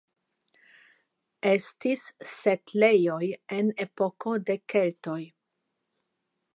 Estis setlejoj en epoko de keltoj.